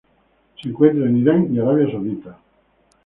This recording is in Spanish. Se encuentra en Irán y Arabia Saudita.